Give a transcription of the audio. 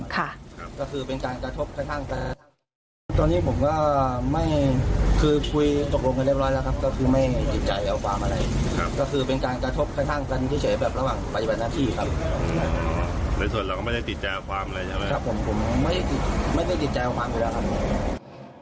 ก็คือเป็นการกระทบแค่ท่างแต่ตอนนี้ผมก็ไม่คือคุยตกลงกันเรียบร้อยแล้วครับก็คือไม่ติดใจเอาความอะไรครับก็คือเป็นการกระทบแค่ท่างกันที่เฉยแบบระหว่างปฏิบัตินักที่ครับในส่วนเราก็ไม่ได้ติดใจเอาความอะไรนะครับผมไม่ได้ติดใจเอา